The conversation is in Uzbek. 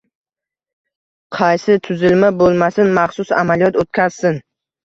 Qaysi tuzilma boʻlmasin, maxsus amaliyot oʻtkazsin